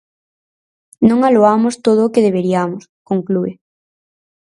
Non a loamos todo o que deberiamos, conclúe.